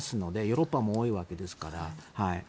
ヨーロッパも多いわけですから。